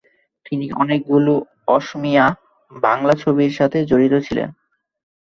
তিনি অনেকগুলি অসমীয়া, বাংলা ছবির সাথে জড়িত ছিলেন।